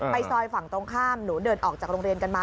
ซอยฝั่งตรงข้ามหนูเดินออกจากโรงเรียนกันมา